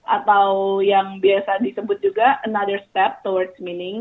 atau yang biasa disebut juga another step towards meaning